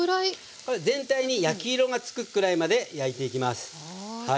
これは全体に焼き色がつくくらいまで焼いていきます。